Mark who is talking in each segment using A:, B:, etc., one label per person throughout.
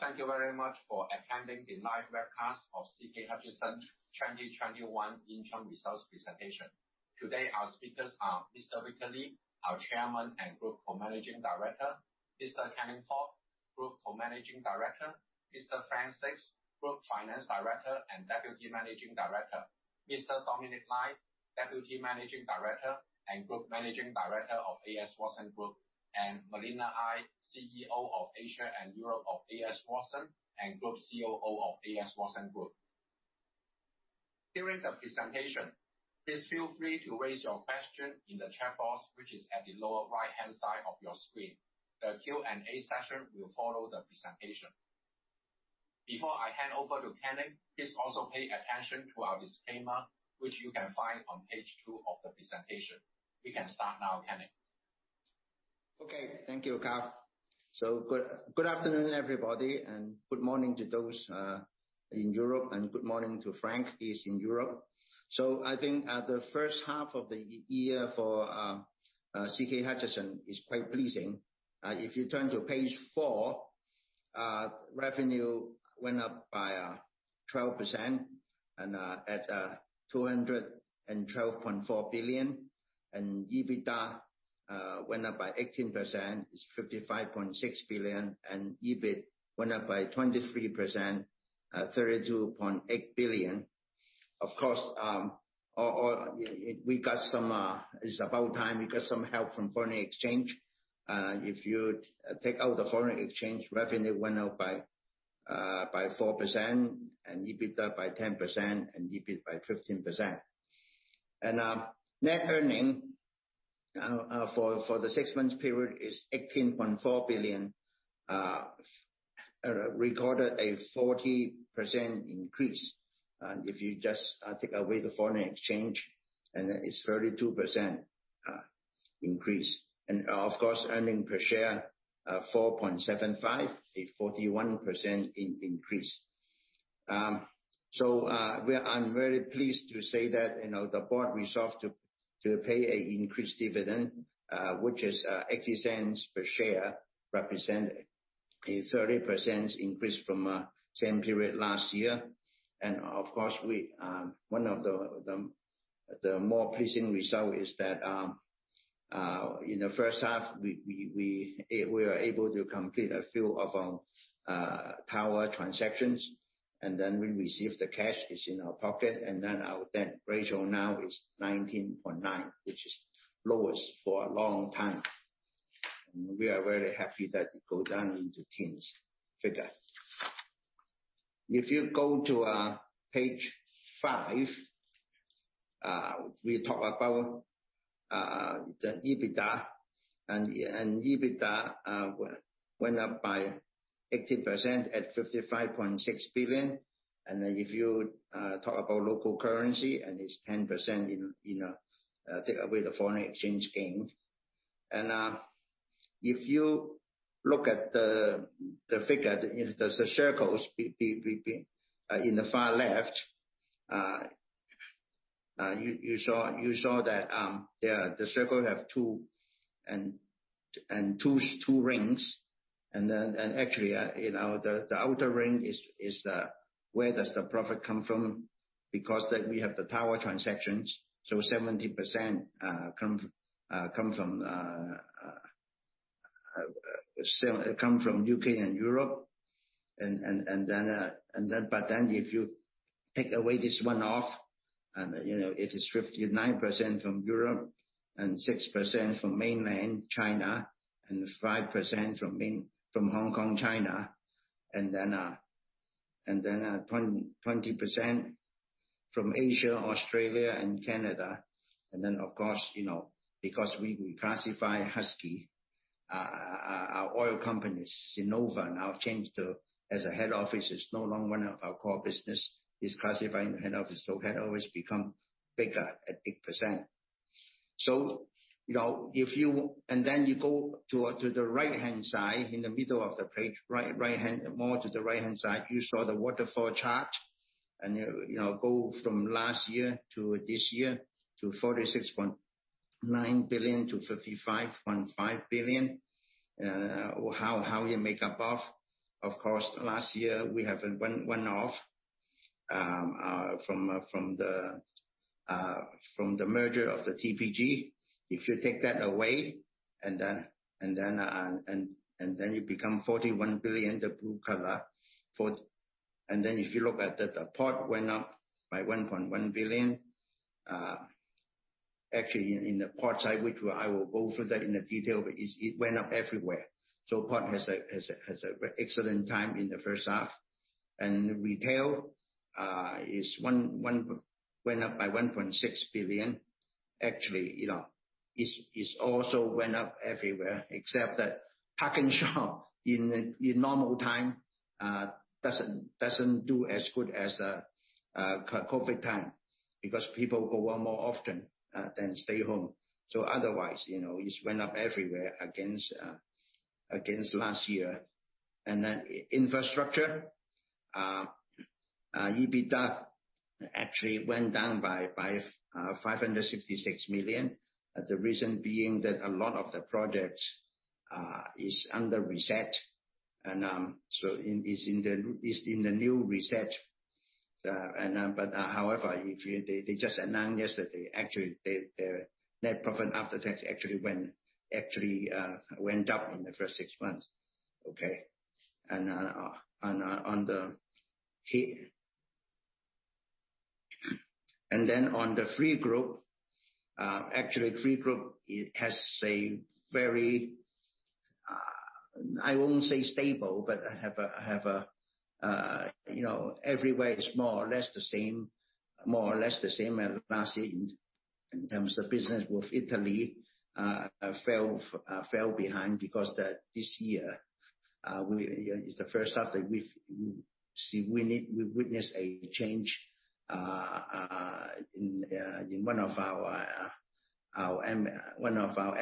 A: Thank you very much for attending the live webcast of CK Hutchison 2021 interim results presentation. Today our speakers are Mr. Victor Li, our Chairman and Group Co-Managing Director, Mr. Canning Fok, Group Co-Managing Director, Mr. Frank Sixt, Group Finance Director and Deputy Managing Director. Mr. Dominic Lai, Deputy Managing Director and Group Managing Director of A.S. Watson Group, and Malina Ngai, CEO of Asia & Europe of A.S. Watson and Group COO of A.S. Watson Group. During the presentation, please feel free to raise your question in the chat box, which is at the lower right-hand side of your screen. The Q&A session will follow the presentation. Before I hand over to Canning, please also pay attention to our disclaimer, which you can find on page two of the presentation. We can start now, Canning.
B: Okay. Thank you, Carl. Good afternoon, everybody, and good morning to those in Europe, and good morning to Frank, he is in Europe. I think the first half of the year for CK Hutchison is quite pleasing. If you turn to page four, revenue went up by 12% and at 212.4 billion, EBITDA went up by 18%, it's 55.6 billion, and EBIT went up by 23%, 32.8 billion. Of course, it's about time we got some help from foreign exchange. If you take out the foreign exchange, revenue went up by 4%, EBITDA by 10%, and EBIT by 15%. Net earning for the six months period is 18.4 billion, recorded a 40% increase. If you just take away the foreign exchange, then it's 32% increase. Of course, earning per share, 4.75, a 41% increase. I'm very pleased to say that the board resolved to pay an increased dividend, which is 0.80 per share. Represent a 30% increase from same period last year. Of course, one of the more pleasing result is that in the first half, we were able to complete a few of our tower transactions, we received the cash. It's in our pocket. Our debt ratio now is 19.9, which is lowest for a long time. We are very happy that it go down into teens figure. If you go to page five, we talk about the EBITDA. EBITDA went up by 18% at 55.6 billion. If you talk about local currency, it's 10% in take away the foreign exchange gain. If you look at the figure, the circles in the far left. You saw that the circle have two rings. Actually the outer ring is where does the profit come from because we have the tower transactions. 70% come from U.K. and Europe. If you take away this one off and it is 59% from Europe and 6% from mainland China and 5% from Hong Kong, China, 20% from Asia, Australia and Canada. Of course, because we classify Husky, our oil companies, Cenovus now changed as a head office. It's no longer one of our core business. It's classified in the head office. Head office become bigger at 8%. You go to the right-hand side, in the middle of the page. More to the right-hand side, you saw the waterfall chart. Go from last year to this year to 46.9 billion to 55.5 billion. How you make up of? Last year we have a one-off from the merger of TPG. If you take that away, it become 41 billion, the blue color. If you look at that, the port went up by 1.1 billion. Actually, in the port side, which I will go through that in detail, but it went up everywhere. Port has a excellent time in the first half. Retail went up by 1.6 billion. Actually, it also went up everywhere except that PARKnSHOP in normal time doesn't do as good as COVID time because people go out more often than stay home. Otherwise, it went up everywhere against last year. Infrastructure EBITDA actually went down by 566 million. The reason being that a lot of the projects are under reset. It's in the new reset. However, they just announced yesterday, actually, their net profit after tax actually went up in the first six months. Okay. On the Three Group. Actually, Three Group has a very, I won't say stable, but have a everywhere is more or less the same as last year in terms of business with Italy fell behind because this year, it's the first half that we witnessed a change in one of our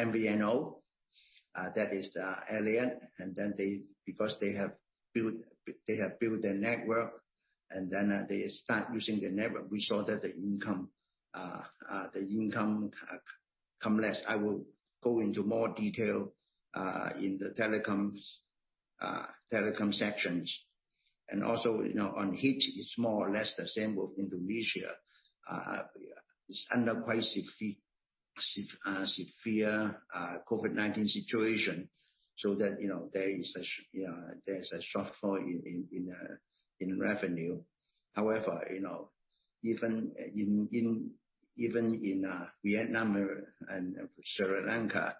B: MVNO, that is, Iliad. Because they have built their network, then they start using the network. We saw that the income come less. I will go into more detail in the Telecom sections. Also on HAT, it's more or less the same with Indonesia. It's under quite severe COVID-19 situation, so that there is a shortfall in revenue. However, even in Vietnam and Sri Lanka,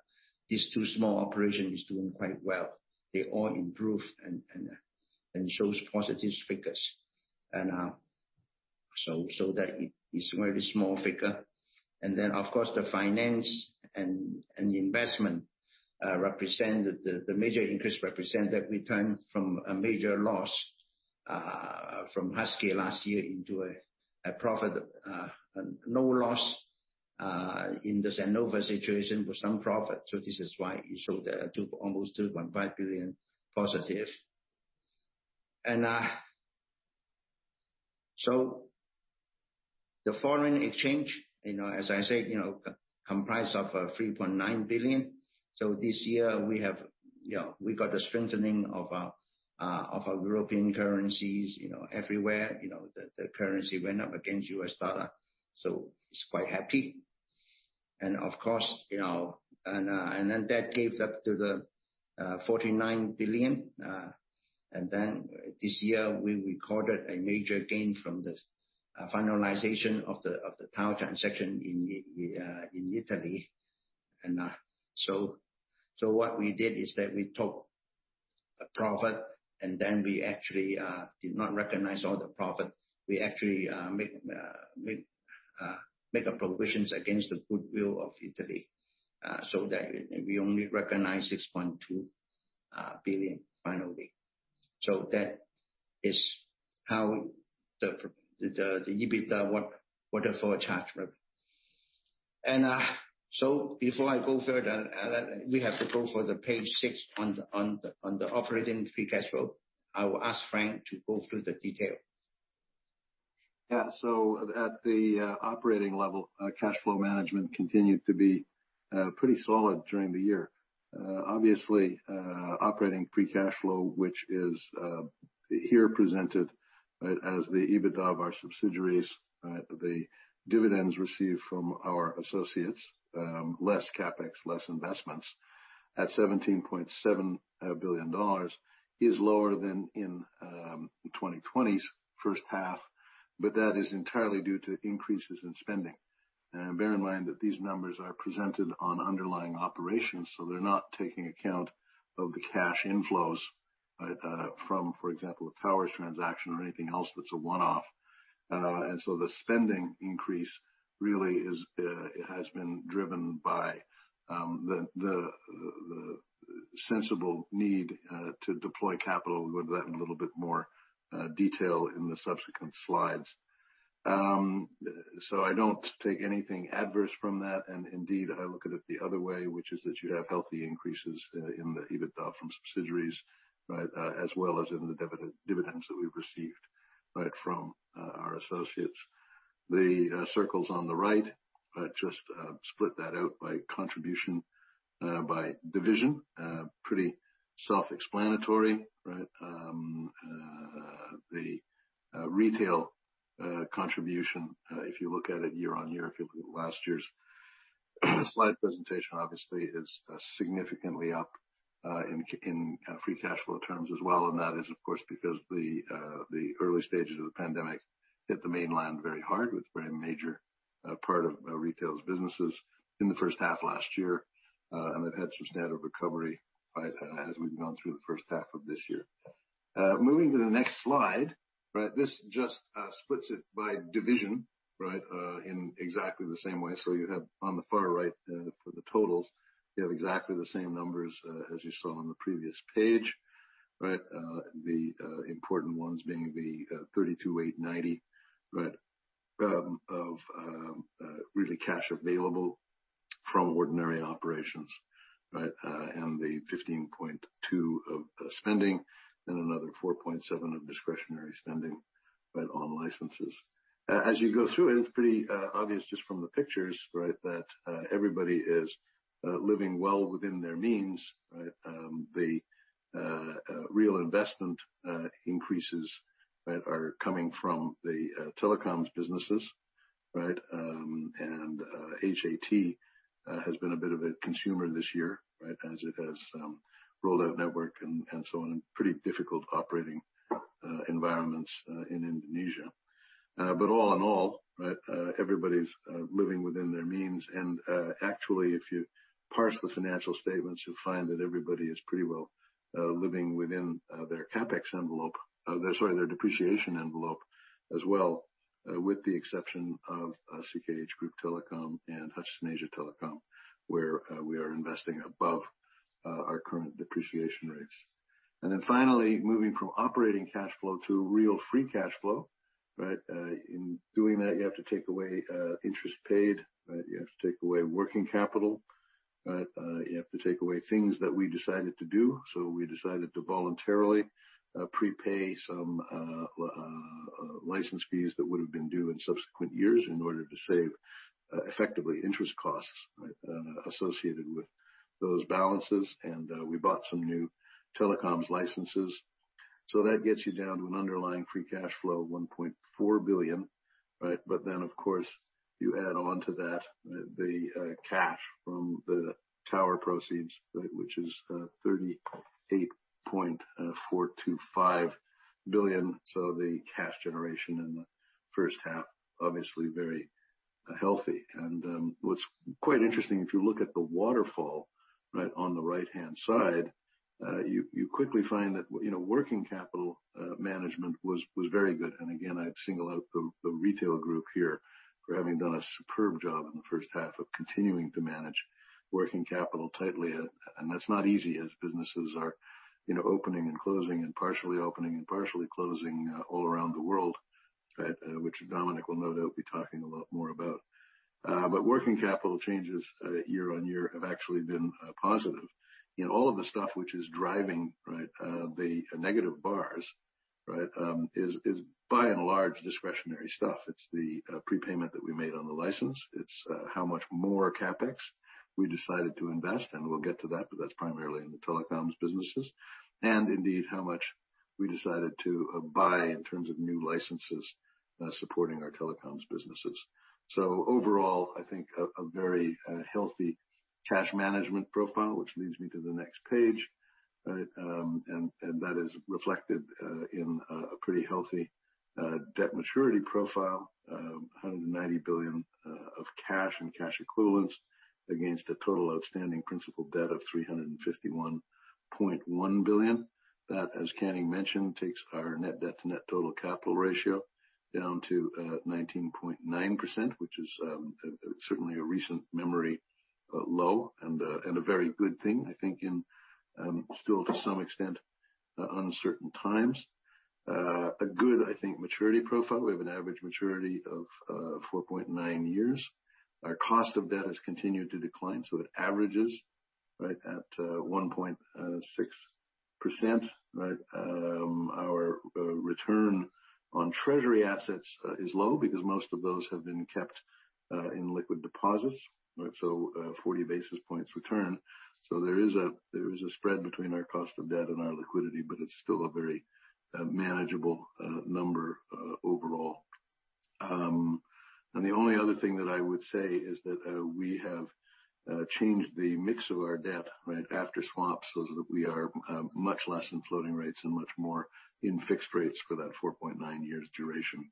B: these two small operations are doing quite well. They all improved and show positive figures. That is a very small figure. Of course, the finance and investment, the major increase represent the return from a major loss from Husky last year into a profit. No loss in the Cenovus situation, with some profit. This is why it showed almost 2.5 billion positive. The foreign exchange, as I said, comprised of 3.9 billion. This year, we got a strengthening of our European currencies. Everywhere the currency went up against U.S. dollar. It's quite happy. Of course, that gave up to the 49 billion. This year we recorded a major gain from the finalization of the tower transaction in Italy. What we did is that we took a profit, and then we actually did not recognize all the profit. We actually make provisions against the goodwill of Italy so that we only recognize 6.2 billion finally. That is how the EBITDA was therefore charged. Before I go further, we have to go for the page six on the operating free cash flow. I will ask Frank to go through the detail.
C: At the operating level, cash flow management continued to be pretty solid during the year. Operating free cash flow, which is here presented as the EBITDA of our subsidiaries. The dividends received from our associates, less CapEx, less investments at 17.7 billion dollars is lower than in 2020's first half. That is entirely due to increases in spending. Bear in mind that these numbers are presented on underlying operations, they're not taking account of the cash inflows from, for example, a towers transaction or anything else that's a one-off. The spending increase really has been driven by the sensible need to deploy capital. We'll go to that in a little bit more detail in the subsequent slides. I don't take anything adverse from that. Indeed, I look at it the other way, which is that you have healthy increases in the EBITDA from subsidiaries as well as in the dividends that we've received from our associates. The circles on the right just split that out by contribution by division. Pretty self-explanatory, right? The retail contribution, if you look at it year-on-year, if you look at last year's slide presentation, obviously is significantly up in free cash flow terms as well. That is, of course, because the early stages of the pandemic hit the mainland very hard with very major part of retail's businesses in the first half last year. They've had some steady recovery as we've gone through the first half of this year. Moving to the next slide. This just splits it by division in exactly the same way. You have on the far right for the totals, you have exactly the same numbers as you saw on the previous page. The important ones being the 32,890 of really cash available from ordinary operations. The 15.2 of spending and another 4.7 of discretionary spending, but on licenses. You go through it's pretty obvious just from the pictures, that everybody is living well within their means. The real investment increases that are coming from the Telecoms businesses. HAT has been a bit of a consumer this year as it has rolled out network and so on in pretty difficult operating environments in Indonesia. All in all, everybody's living within their means. Actually, if you parse the financial statements, you'll find that everybody is pretty well living within their CapEx envelope. Sorry, their depreciation envelope as well, with the exception of CK Hutchison Group Telecom and Hutchison Asia Telecom, where we are investing above our current depreciation rates. Finally, moving from operating cash flow to real free cash flow. In doing that, you have to take away interest paid. You have to take away working capital. You have to take away things that we decided to do. We decided to voluntarily prepay some license fees that would've been due in subsequent years in order to save effectively interest costs associated with those balances. We bought some new Telecoms licenses. That gets you down to an underlying free cash flow of 1.4 billion. Of course, you add on to that the cash from the tower proceeds, which is 38.425 billion. The cash generation in the first half, obviously very healthy. What's quite interesting, if you look at the waterfall on the right-hand side, you quickly find that working capital management was very good. Again, I'd single out the Retail Group here for having done a superb job in the first half of continuing to manage working capital tightly. That's not easy as businesses are opening and closing and partially opening and partially closing all around the world, which Dominic will no doubt be talking a lot more about. Working capital changes year-on-year have actually been positive. All of the stuff which is driving the negative bars is by and large discretionary stuff. It's the prepayment that we made on the license. It's how much more CapEx we decided to invest, and we'll get to that, but that's primarily in the Telecoms businesses. Indeed, how much we decided to buy in terms of new licenses supporting our Telecoms businesses. Overall, I think, a very healthy cash management profile, which leads me to the next page. That is reflected in a pretty healthy debt maturity profile. 190 billion of cash and cash equivalents against a total outstanding principal debt of 351.1 billion. That, as Canning mentioned, takes our net debt to net total capital ratio down to 19.9%, which is certainly a recent memory low and a very good thing, I think, in still, to some extent, uncertain times. A good, I think, maturity profile. We have an average maturity of 4.9 years. Our cost of debt has continued to decline, so it averages at 1.6%. Our return on treasury assets is low because most of those have been kept in liquid deposits. 40 basis points return. There is a spread between our cost of debt and our liquidity, but it's still a very manageable number overall. The only other thing that I would say is that we have changed the mix of our debt after swaps, so that we are much less in floating rates and much more in fixed rates for that 4.9 years duration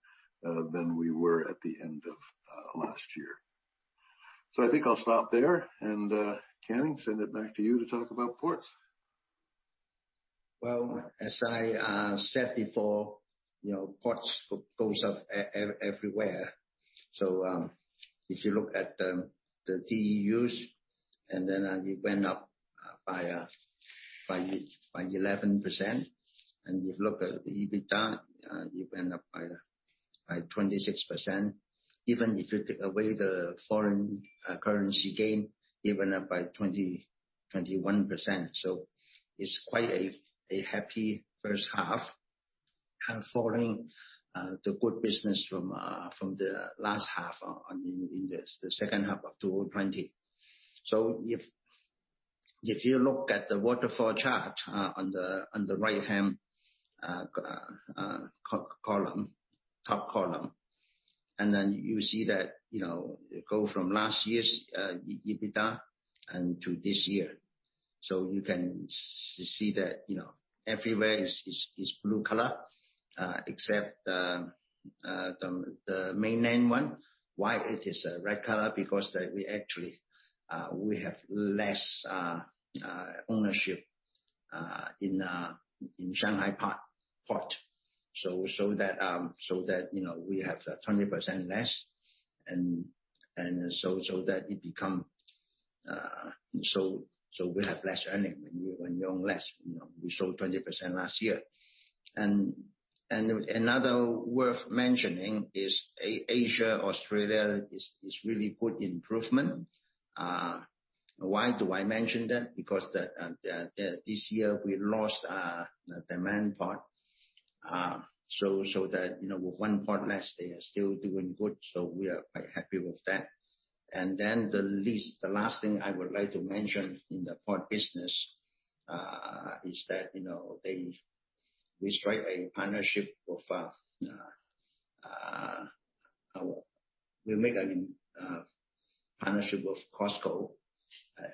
C: than we were at the end of last year. I think I'll stop there, and Canning, send it back to you to talk about ports.
B: Well, as I said before, ports goes up everywhere. If you look at the TEUs, it went up by 11%. You look at the EBITDA, it went up by 26%. Even if you take away the foreign currency gain, it went up by 21%. It's quite a happy first half following the good business from the last half in the second half of 2020. If you look at the waterfall chart on the right-hand column, top column, you see that it go from last year's EBITDA to this year. You can see that everywhere is blue color except the mainland one. Why it is red color? Because we actually have less ownership in Shanghai port. We have 20% less, we have less earning when you own less. We sold 20% last year. Another worth mentioning is Asia. Australia is really good improvement. Why do I mention that? This year we lost the Damietta Port, so with one part less, they are still doing good, so we are quite happy with that. The last thing I would like to mention in the port business is that we make a partnership with COSCO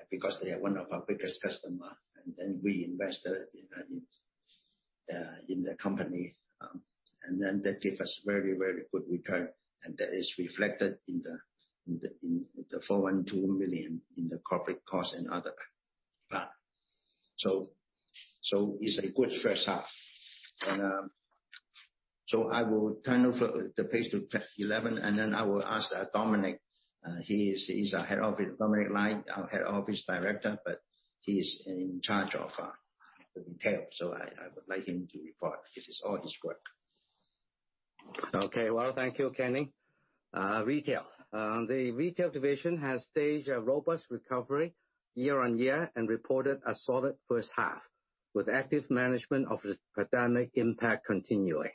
B: because they are one of our biggest customer, and then we invested in the company. That give us very, very good return. That is reflected in the 412 million in the corporate cost and other. It's a good first half. I will turn over the page to page 11, and then I will ask Dominic. He is our head of Dominic Lai, our head office director, but he's in charge of the retail. I would like him to report. This is all his work.
D: Okay. Well, thank you, Canning. Retail. The retail division has staged a robust recovery year-on-year and reported a solid first half, with active management of the pandemic impact continuing.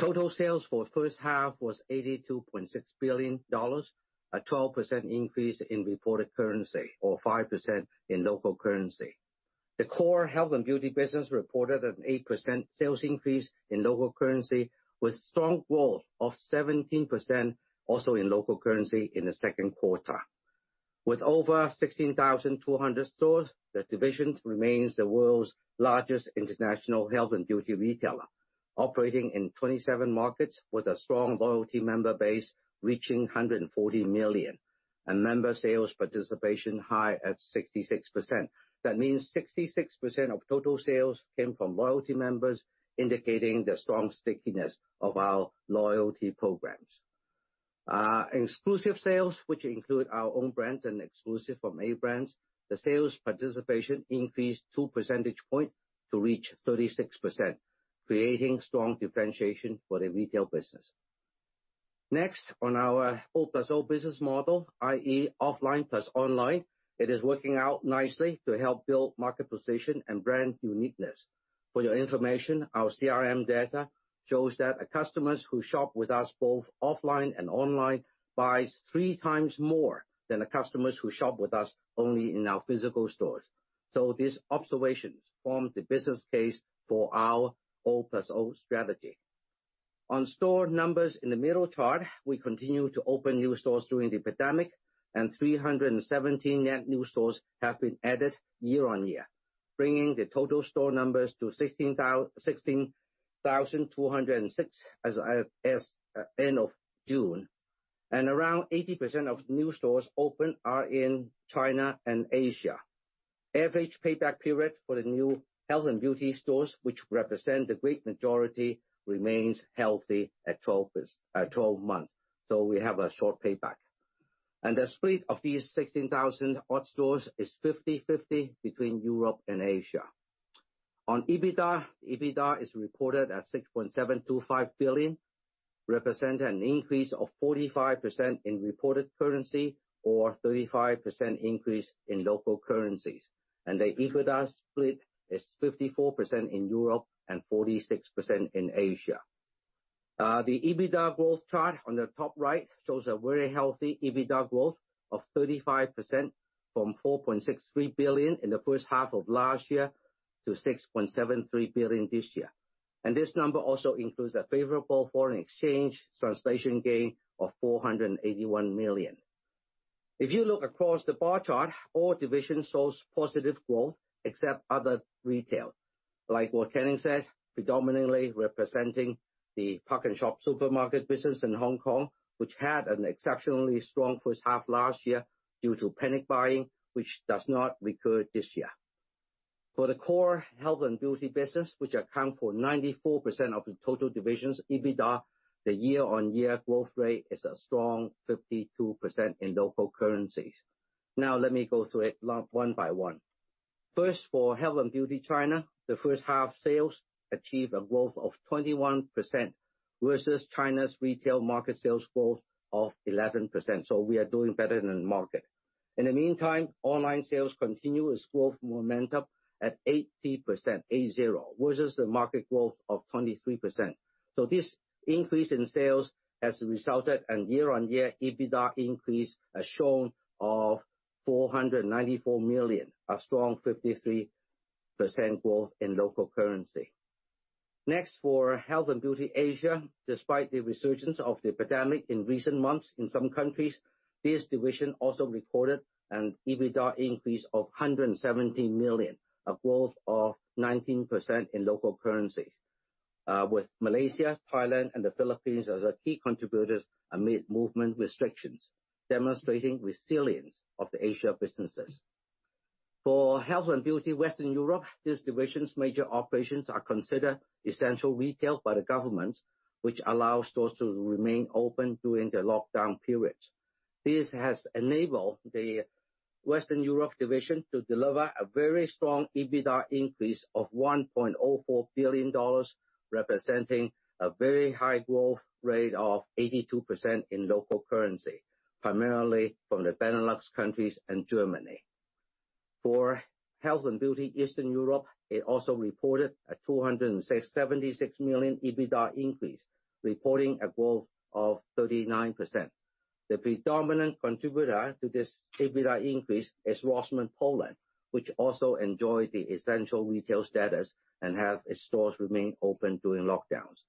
D: Total sales for first half was 82.6 billion dollars, a 12% increase in reported currency or 5% in local currency. The core health and beauty business reported an 8% sales increase in local currency, with strong growth of 17% also in local currency in the second quarter. With over 16,200 stores, the division remains the world's largest international health and beauty retailer, operating in 27 markets with a strong loyalty member base reaching 140 million, and member sales participation high at 66%. That means 66% of total sales came from loyalty members, indicating the strong stickiness of our loyalty programs. Exclusive sales, which include our own brands and exclusive brands, the sales participation increased 2 percentage point to reach 36%, creating strong differentiation for the retail business. On our O+O business model, i.e. offline plus online, it is working out nicely to help build market position and brand uniqueness. For your information, our CRM data shows that customers who shop with us both offline and online buys 3 times more than the customers who shop with us only in our physical stores. These observations form the business case for our O+O strategy. On store numbers in the middle chart, we continue to open new stores during the pandemic, and 317 net new stores have been added year on year, bringing the total store numbers to 16,206 as at end of June. Around 80% of new stores opened are in China and Asia. Average payback period for the new health and beauty stores, which represent the great majority, remains healthy at 12 months. We have a short payback. The split of these 16,000 odd stores is 50/50 between Europe and Asia. On EBITDA is reported at 6.725 billion, represent an increase of 45% in reported currency, or 35% increase in local currencies. The EBITDA split is 54% in Europe and 46% in Asia. The EBITDA growth chart on the top right shows a very healthy EBITDA growth of 35% from 4.63 billion in the first half of last year to 6.73 billion this year. This number also includes a favorable foreign exchange translation gain of 481 million. If you look across the bar chart, all divisions shows positive growth except other retail. Like what Canning said, predominantly representing the PARKnSHOP supermarket business in Hong Kong, which had an exceptionally strong first half last year due to panic buying, which does not recur this year. For the core health and beauty business, which account for 94% of the total division's EBITDA, the year-on-year growth rate is a strong 52% in local currencies. Let me go through it one by one. First, for Health and Beauty China, the first half sales achieved a growth of 21% versus China's retail market sales growth of 11%. We are doing better than the market. In the meantime, online sales continue its growth momentum at 80% versus the market growth of 23%. This increase in sales has resulted in year-on-year EBITDA increase as shown of 494 million, a strong 53% growth in local currency. Next, for Health and Beauty Asia. Despite the resurgence of the pandemic in recent months in some countries, this division also recorded an EBITDA increase of 117 million, a growth of 19% in local currencies, with Malaysia, Thailand and the Philippines as our key contributors amid movement restrictions, demonstrating resilience of the Asia businesses. For Health and Beauty Western Europe, this division's major operations are considered essential retail by the government, which allows stores to remain open during the lockdown periods. This has enabled the Western Europe division to deliver a very strong EBITDA increase of EUR 1.04 billion, representing a very high growth rate of 82% in local currency, primarily from the Benelux countries and Germany. For Health and Beauty Eastern Europe, it also reported a 276 million EBITDA increase, reporting a growth of 39%. The predominant contributor to this EBITDA increase is Rossmann Poland, which also enjoyed the essential retail status and have its stores remain open during lockdowns.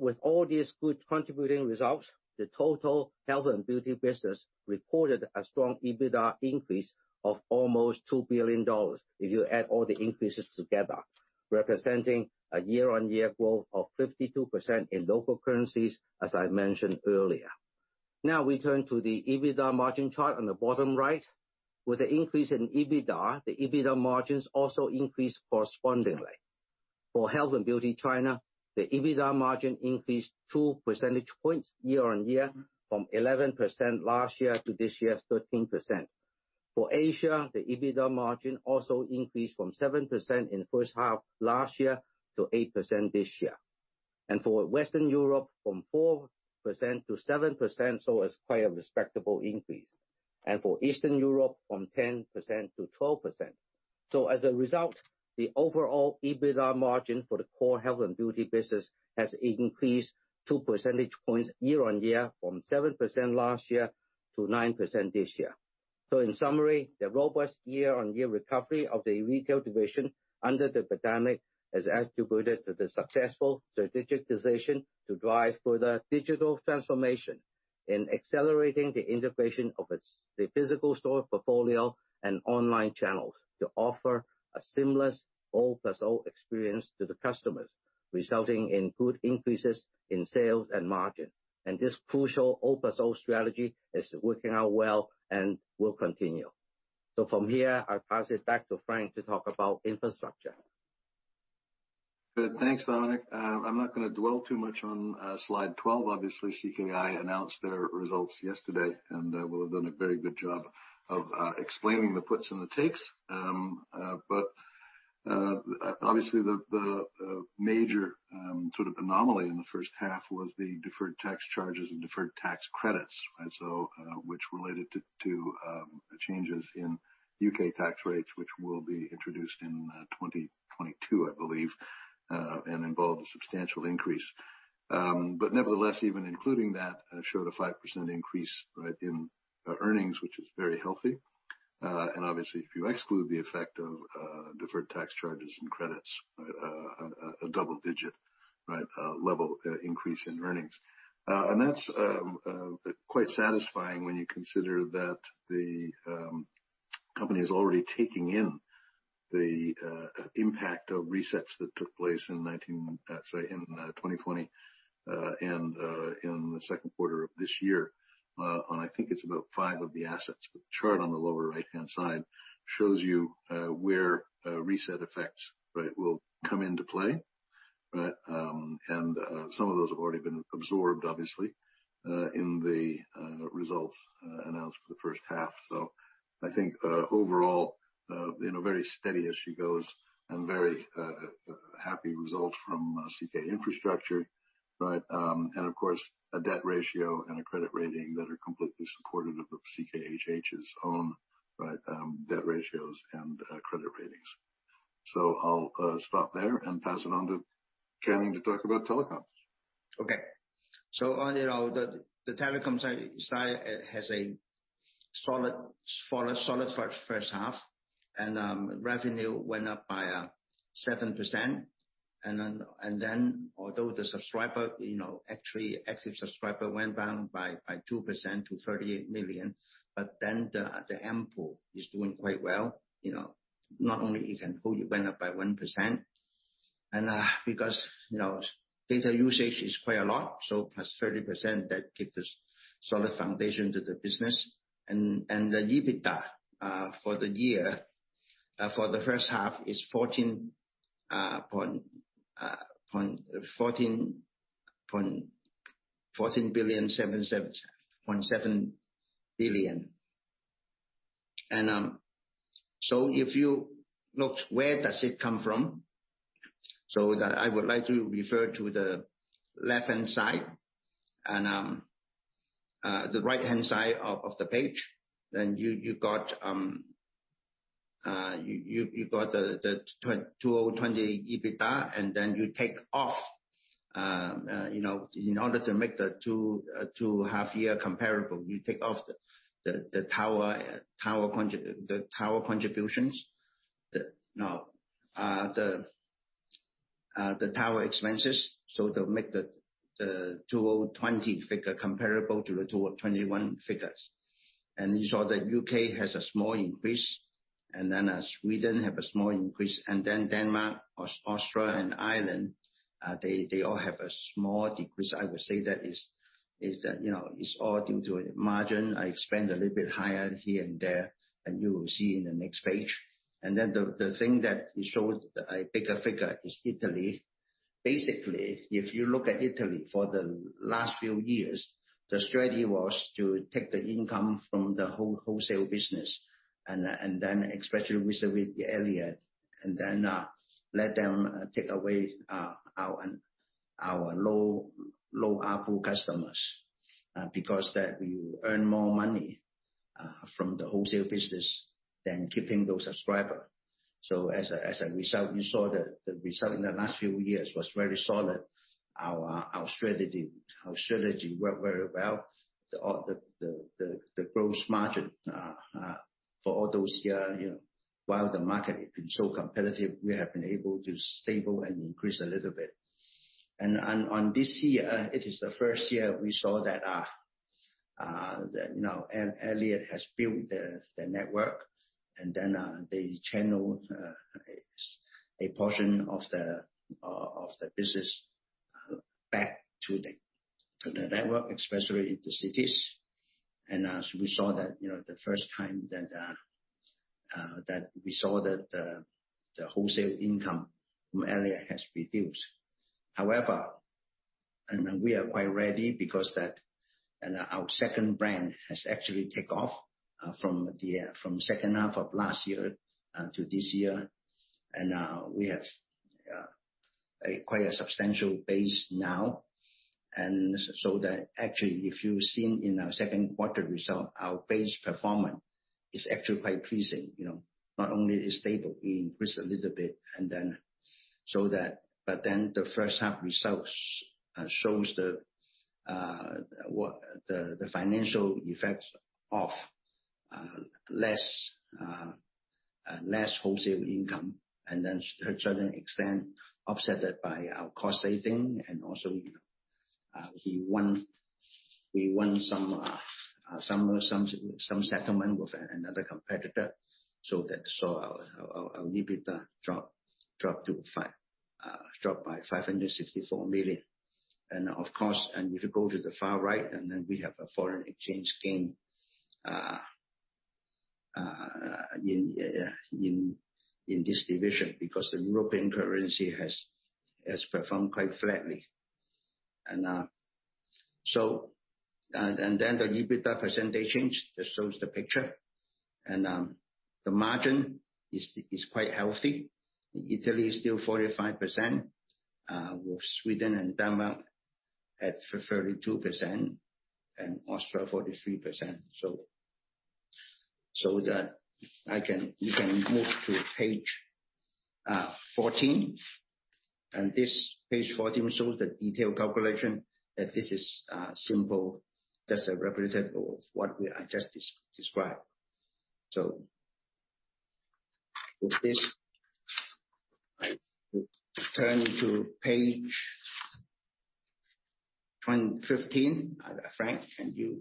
D: With all these good contributing results, the total Health and Beauty business reported a strong EBITDA increase of almost 2 billion dollars if you add all the increases together, representing a year-on-year growth of 52% in local currencies, as I mentioned earlier. We turn to the EBITDA margin chart on the bottom right. With the increase in EBITDA, the EBITDA margins also increased correspondingly. For Health and Beauty China, the EBITDA margin increased 2 percentage points year-on-year, from 11% last year to this year's 13%. For Asia, the EBITDA margin also increased from 7% in the first half last year to 8% this year. For Western Europe, from 4% to 7%, so it's quite a respectable increase. For Eastern Europe, from 10% to 12%. As a result, the overall EBITDA margin for the core Health and Beauty business has increased 2 percentage points year-on-year from 7% last year to 9% this year. In summary, the robust year-on-year recovery of the retail division under the pandemic is attributed to the successful strategic decision to drive further digital transformation in accelerating the integration of the physical store portfolio and online channels to offer a seamless O+O experience to the customers, resulting in good increases in sales and margin. This crucial O+O strategy is working out well and will continue. From here, I will pass it back to Frank to talk about infrastructure.
C: Good. Thanks, Dominic. I'm not going to dwell too much on slide 12. Obviously, CKA announced their results yesterday, and will have done a very good job of explaining the puts and the takes. Obviously, the major sort of anomaly in the first half was the deferred tax charges and deferred tax credits, right? Which related to changes in U.K. tax rates, which will be introduced in 2022, I believe, and involve a substantial increase. Nevertheless, even including that, showed a 5% increase, right, in earnings, which is very healthy. Obviously, if you exclude the effect of deferred tax charges and credits, a double digit, right, level increase in earnings. That's quite satisfying when you consider that the company is already taking in the impact of resets that took place in 2019 sorry, in 2020, and in the second quarter of this year, on I think it's about five of the assets. The chart on the lower right-hand side shows you where reset effects, right, will come into play, right? Some of those have already been absorbed, obviously, in the results announced for the first half. I think, overall, very steady as she goes, and very happy results from CK Infrastructure. Of course, a debt ratio and a credit rating that are completely supportive of CKHH's own, right, debt ratios and credit ratings. I'll stop there and pass it on to Canning to talk about Telecoms.
B: Okay. On the Telecom side, it has a solid first half, revenue went up by 7%. Although the subscriber, actually active subscriber went down by 2% to 38 million, the ARPU is doing quite well. Not only EBITDA went up by 1%, because data usage is quite a lot, +30%, that give the solid foundation to the business. The EBITDA for the year, for the first half is HKD 14.7 billion. If you look where does it come from? That I would like to refer to the left-hand side and the right-hand side of the page. You got the 2020 EBITDA, you take off in order to make the two half year comparable, you take off the tower contributions. No. The tower expenses. To make the 2020 figure comparable to the 2021 figures. You saw that U.K. has a small increase, and then Sweden has a small increase, and then Denmark, Austria, and Ireland, they all have a small decrease. I would say that is all due to margin. I expand a little bit higher here and there, and you will see in the next page. The thing that it shows a bigger figure is Italy. If you look at Italy for the last few years, the strategy was to take the income from the wholesale business, especially with Iliad, and then let them take away our low ARPU customers, because we earn more money from the wholesale business than keeping those subscribers. As a result, we saw that the result in the last few years was very solid. Our strategy worked very well. The gross margin for all those years, while the market has been so competitive, we have been able to stable and increase a little bit. On this year, it is the first year we saw that now Iliad has built their network and then they channeled a portion of the business back to the network, especially in the cities. As we saw that the first time that we saw that the wholesale income from Iliad has reduced. However, we are quite ready because our second brand has actually taken off from second half of last year to this year. We have quite a substantial base now, and so that actually if you've seen in our second quarter result, our base performance is actually quite pleasing. Not only is stable, we increase a little bit. The first half results shows the financial effects of less wholesale income and then to a certain extent, offset that by our cost saving and also we won some settlement with another competitor our EBITDA dropped by 564 million. Of course, if you go to the far right, then we have a foreign exchange gain in this division because the European currency has performed quite flatly. Then the EBITDA percentage change that shows the picture and the margin is quite healthy. Italy is still 45%, with Sweden and Denmark at 32% and Austria 43%. You can move to page 14. This page 14 shows the detailed calculation that this is simple, just a representative of what I just described. With this, I turn to page 15. Frank, and you.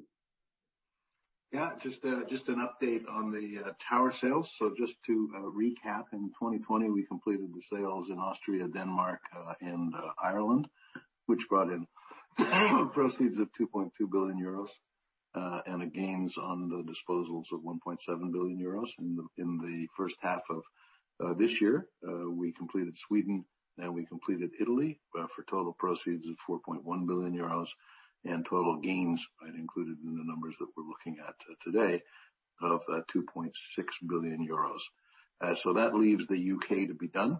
C: Yeah. Just an update on the tower sales. Just to recap, in 2020, we completed the sales in Austria, Denmark, and Ireland, which brought in proceeds of €2.2 billion, and a gains on the disposals of €1.7 billion. In the first half of this year, we completed Sweden, and we completed Italy for total proceeds of €4.1 billion and total gains, included in the numbers that we're looking at today, of €2.6 billion. That leaves the U.K. to be done.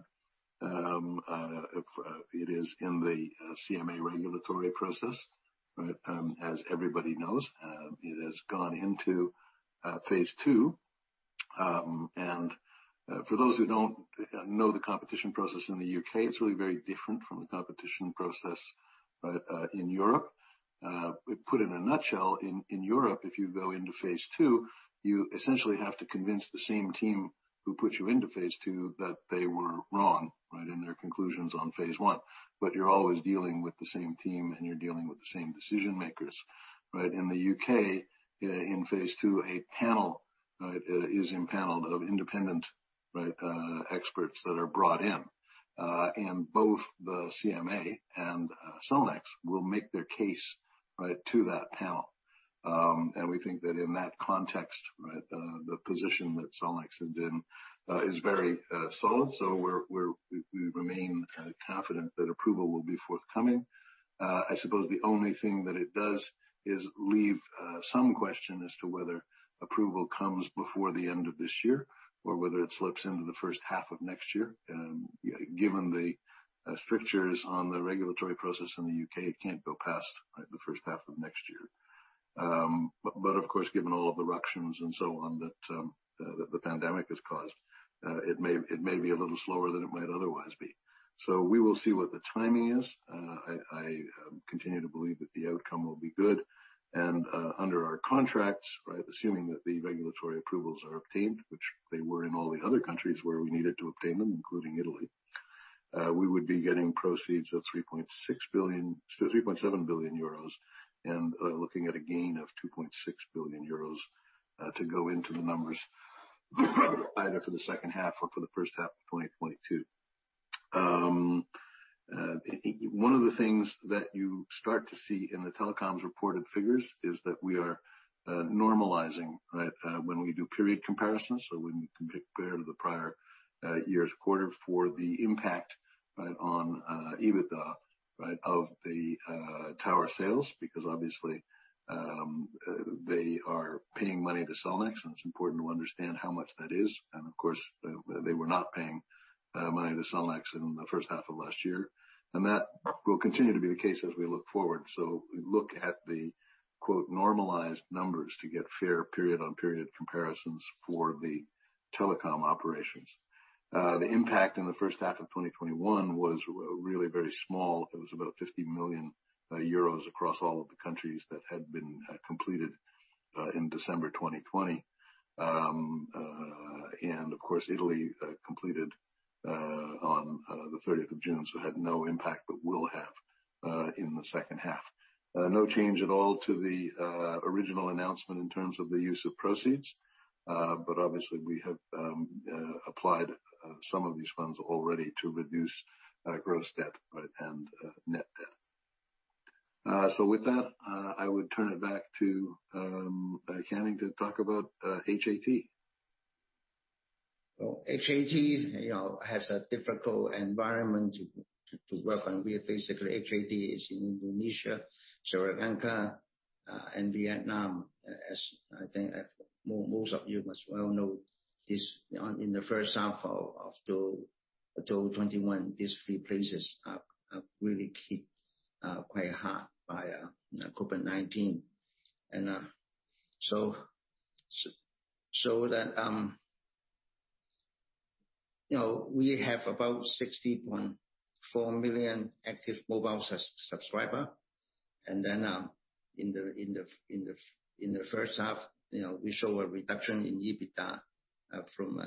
C: It is in the CMA regulatory process. As everybody knows, it has gone into phase II. For those who don't know the competition process in the U.K., it's really very different from the competition process in Europe. Put in a nutshell, in Europe, if you go into phase II, you essentially have to convince the same team who put you into phase II that they were wrong in their conclusions on phase I. You're always dealing with the same team, and you're dealing with the same decision makers. In the U.K., in phase II, a panel is empaneled of independent experts that are brought in. Both the CMA and Cellnex will make their case to that panel. We think that in that context, the position that Cellnex is in is very solid. We remain confident that approval will be forthcoming. I suppose the only thing that it does is leave some question as to whether approval comes before the end of this year or whether it slips into the first half of next year. Given the strictures on the regulatory process in the U.K., it can't go past the first half of next year. Of course, given all of the ructions and so on that the pandemic has caused, it may be a little slower than it might otherwise be. We will see what the timing is. I continue to believe that the outcome will be good. Under our contracts, assuming that the regulatory approvals are obtained, which they were in all the other countries where we needed to obtain them, including Italy, we would be getting proceeds of 3.7 billion euros, and looking at a gain of 2.6 billion euros to go into the numbers either for the second half or for the first half of 2022. One of the things that you start to see in the Telecoms reported figures is that we are normalizing when we do period comparisons. When you compare to the prior year's quarter for the impact right on EBITDA of the tower sales because obviously, they are paying money to Cellnex, and it is important to understand how much that is. Of course, they were not paying money to Cellnex in the first half of last year, and that will continue to be the case as we look forward. We look at the, quote, "normalized numbers" to get fair period-on-period comparisons for the Telecom operations. The impact in the first half of 2021 was really very small. It was about 50 million euros across all of the countries that had been completed in December 2020. Of course, Italy completed on the 30th of June, so had no impact but will have in the second half. No change at all to the original announcement in terms of the use of proceeds. Obviously, we have applied some of these funds already to reduce gross debt and net debt. With that, I would turn it back to Canning to talk about HAT.
B: HAT has a difficult environment to work on. Basically, HAT is in Indonesia, Sri Lanka, and Vietnam. As I think most of you must well know, in the first half of 2021, these three places are really hit quite hard by COVID-19. We have about 60.4 million active mobile subscribers. In the first half, we show a reduction in EBITDA from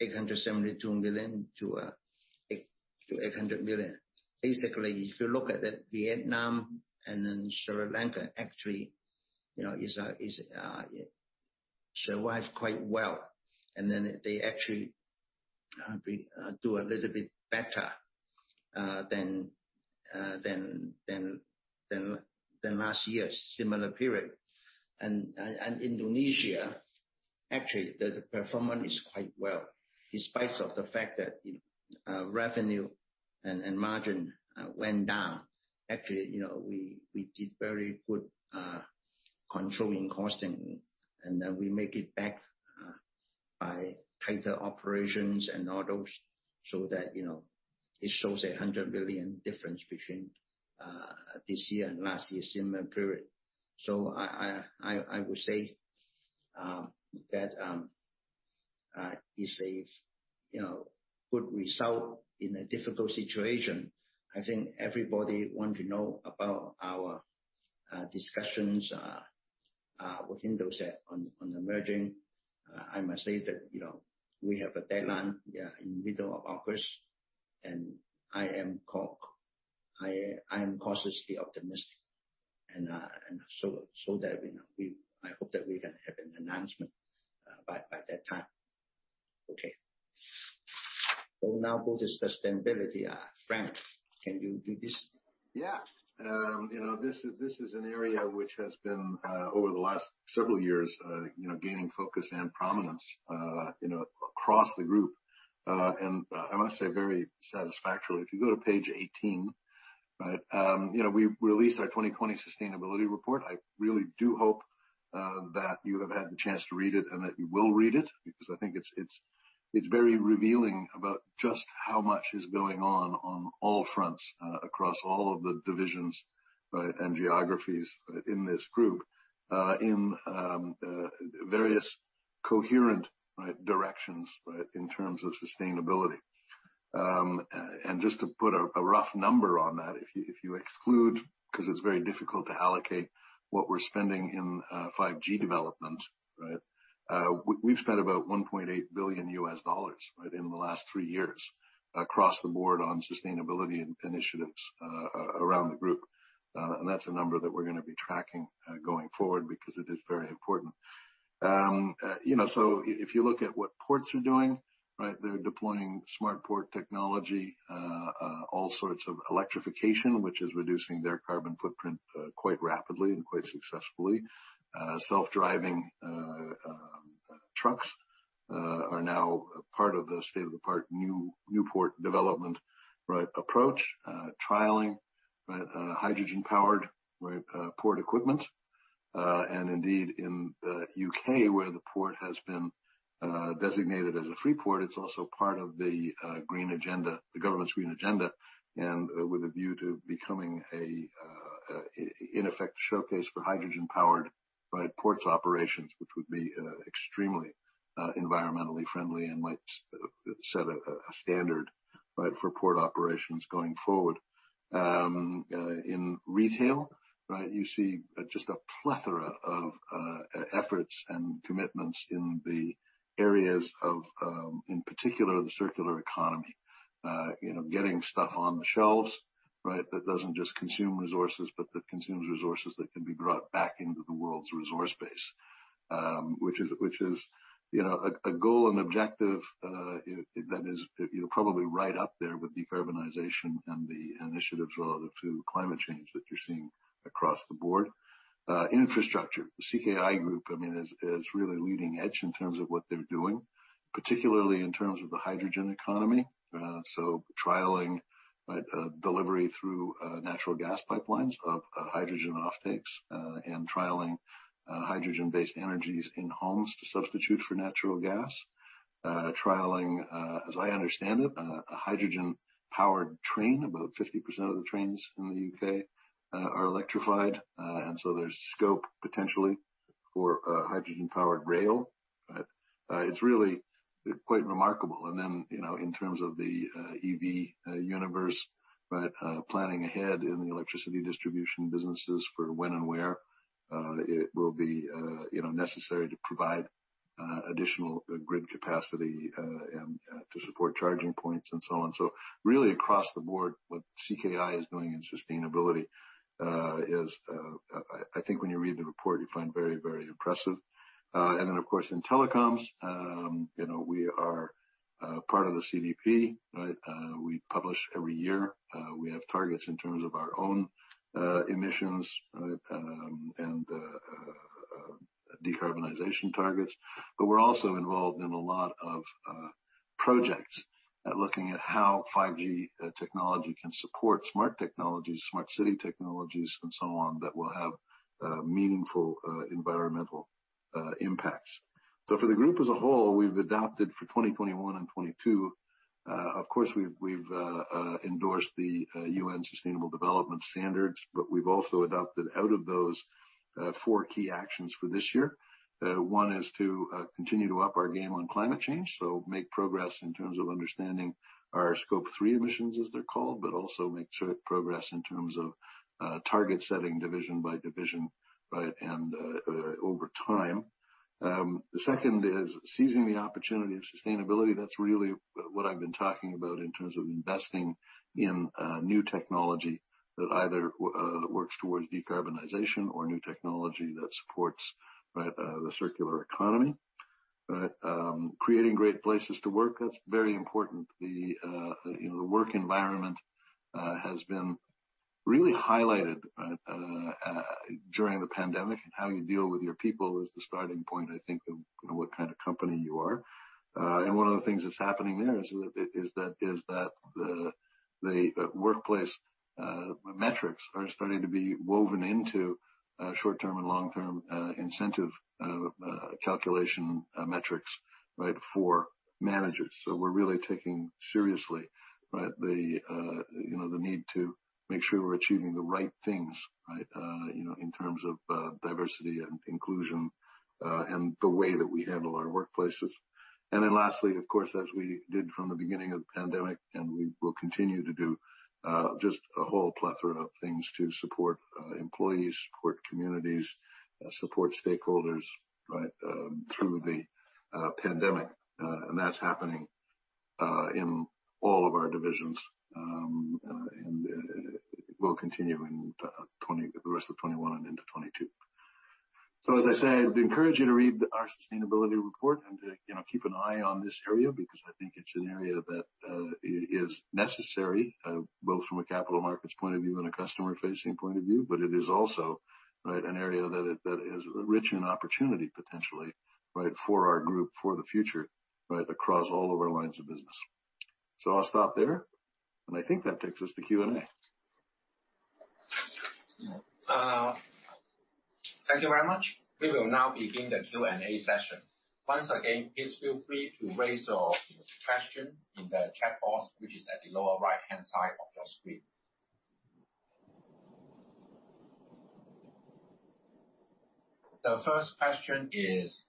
B: 872 million to 800 million. Basically, if you look at Vietnam and then Sri Lanka, actually survives quite well. They actually do a little bit better than last year's similar period. Indonesia, actually, the performance is quite well. In spite of the fact that revenue and margin went down, actually, we did very good controlling cost, and then we make it back by tighter operations and all those, so that it shows 100 million difference between this year and last year's similar period. I would say that is a good result in a difficult situation. I think everybody want to know about our discussions with Indosat on the merging. I must say that we have a deadline, yeah, in middle of August. I am cautiously optimistic. I hope that we can have an announcement by that time. Okay. Now go to sustainability. Frank, can you do this?
C: Yeah. This is an area which has been, over the last several years, gaining focus and prominence across the group. I must say, very satisfactorily. If you go to page 18. We released our 2020 sustainability report. I really do hope that you have had the chance to read it and that you will read it, because I think it's very revealing about just how much is going on on all fronts across all of the divisions and geographies in this group in various coherent directions in terms of sustainability. Just to put a rough number on that, if you exclude, because it's very difficult to allocate what we're spending in 5G development. We've spent about $1.8 billion in the last three years across the board on sustainability initiatives around the group. That's a number that we're going to be tracking going forward because it is very important. If you look at what ports are doing, they're deploying smart port technology, all sorts of electrification, which is reducing their carbon footprint quite rapidly and quite successfully. Self-driving trucks are now part of the state-of-the-art new port development approach. Trialing hydrogen-powered port equipment. Indeed, in the U.K., where the port has been designated as a freeport, it's also part of the government's Green Agenda, and with a view to becoming a, in effect, showcase for hydrogen-powered ports operations, which would be extremely environmentally friendly and might set a standard for port operations going forward. In retail, you see just a plethora of efforts and commitments in the areas of, in particular, the circular economy. Getting stuff on the shelves that doesn't just consume resources, but that consumes resources that can be brought back into the world's resource base, which is a goal and objective that is probably right up there with decarbonization and the initiatives related to climate change that you're seeing across the board. Infrastructure. The CKI group is really leading edge in terms of what they're doing. Particularly in terms of the hydrogen economy. Trailing delivery through natural gas pipelines of hydrogen offtakes and trialing hydrogen-based energies in homes to substitute for natural gas. Trailing, as I understand it, a hydrogen powered train. About 50% of the trains in the U.K. are electrified, and so there's scope potentially for hydrogen powered rail. It's really quite remarkable. In terms of the EV universe, planning ahead in the electricity distribution businesses for when and where it will be necessary to provide additional grid capacity and to support charging points and so on. Really across the board, what CKI is doing in sustainability is, I think when you read the report you'll find very, very impressive. Of course, in Telecoms, we are part of the CDP. We publish every year. We have targets in terms of our own emissions and decarbonization targets. We're also involved in a lot of projects looking at how 5G technology can support smart technologies, smart city technologies, and so on, that will have meaningful environmental impacts. For the group as a whole, we've adopted for 2021 and 2022, of course, we've endorsed the UN Sustainable Development Goals, but we've also adopted out of those, four key actions for this year. 1 is to continue to up our game on climate change, so make progress in terms of understanding our Scope 3 emissions, as they're called, but also make progress in terms of target setting division by division and over time. The second is seizing the opportunity of sustainability. That's really what I've been talking about in terms of investing in new technology that either works towards decarbonization or new technology that supports the circular economy. Creating great places to work, that's very important. The work environment has been really highlighted during the pandemic, and how you deal with your people is the starting point, I think, of what kind of company you are. One of the things that's happening there is that the workplace metrics are starting to be woven into short-term and long-term incentive calculation metrics for managers. We're really taking seriously the need to make sure we're achieving the right things in terms of diversity and inclusion, and the way that we handle our workplaces. Lastly, of course, as we did from the beginning of the pandemic, and we will continue to do, just a whole plethora of things to support employees, support communities, support stakeholders through the pandemic. That's happening in all of our divisions. It will continue in the rest of 2021 and into 2022. As I said, I'd encourage you to read our sustainability report and to keep an eye on this area, because I think it's an area that is necessary, both from a capital markets point of view and a customer facing point of view. It is also an area that is rich in opportunity potentially for our group for the future across all of our lines of business. I'll stop there, and I think that takes us to Q&A.
A: Thank you very much. We will now begin the Q&A session. Once again, please feel free to raise your question in the chat box, which is at the lower right-hand side of your screen. The first question is: